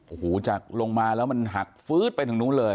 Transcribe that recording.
โอ้โหจากลงมาแล้วมันหักฟื๊ดไปทางนู้นเลย